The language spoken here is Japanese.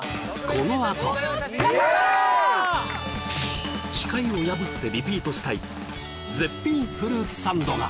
このあと誓いを破ってリピートしたい絶品フルーツサンドが！